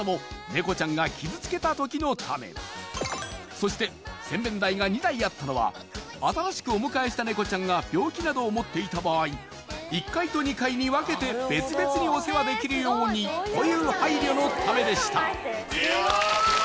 そして洗面台が２台あったのは新しくお迎えした猫ちゃんが病気などを持っていた場合１階と２階に分けて別々にお世話できるようにという配慮のためでしたオーナーさんが。